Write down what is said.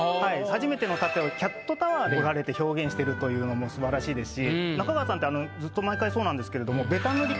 初めての縦をキャットタワーで彫られて表現してるというのも素晴らしいですし中川さんってずっと毎回そうなんですけれどもベタ塗り